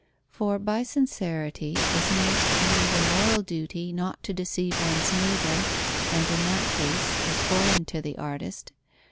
For by sincerity is meant either the moral duty not to deceive one's neighbour; and in that case Is foreign to the artist.